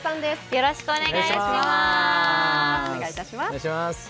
よろしくお願いします。